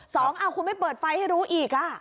สองเอาคุณไม่เปิดไฟให้รู้อีก